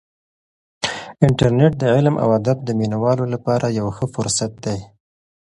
انټرنیټ د علم او ادب د مینه والو لپاره یو ښه فرصت دی.